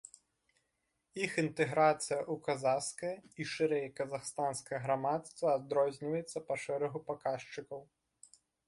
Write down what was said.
Іх інтэграцыя ў казахскае і, шырэй, казахстанскае грамадства адрозніваецца па шэрагу паказчыкаў.